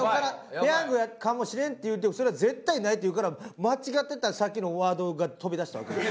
ペヤングかもしれん」って言うても「それは絶対ない」って言うから間違ってたらさっきのワードが飛び出したわけです。